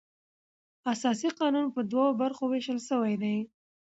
اساسي قانون پر دوو برخو وېشل سوى دئ.